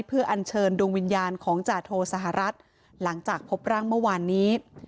เพื่ออัญเชิญดวงวิญญาณของจาโทสหรัฐหลังจากพบร่างเมื่อวานนี้